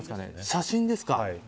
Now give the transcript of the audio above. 写真ですか。